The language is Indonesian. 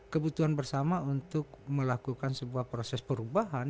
kebutuhan bersama untuk melakukan sebuah proses perubahan